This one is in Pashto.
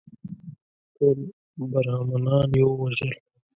ټول برهمنان یې ووژل.